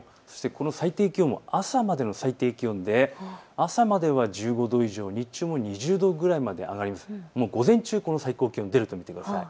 この最低気温も朝までの最低気温で朝までは１５度以上、日中も２０度ぐらいまで上がり、午前中、この最高気温が出ると思ってください。